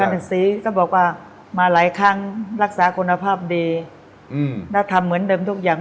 ทางทางสีก็บอกว่ามาหลายครั้งรักษาคุณภาพดีนักทำเหมือนเดิมทุกอย่าง